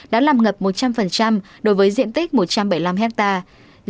đã làm ngập một trăm linh đối với diện tích một trăm bảy mươi năm hectare